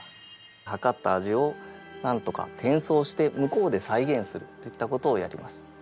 はかった味をなんとか転送して向こうで再現するっていったことをやります。